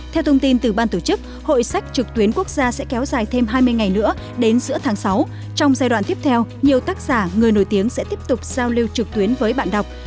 theo thông tin từ ban tổ chức hội sách trực tuyến quốc gia sẽ kéo dài thêm hai mươi ngày nữa đến giữa tháng sáu trong giai đoạn tiếp theo nhiều tác giả người nổi tiếng sẽ tiếp tục giao lưu trực tuyến với bạn đọc